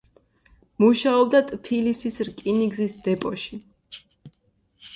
მუშაობდა ტფილისის რკინიგზის დეპოში.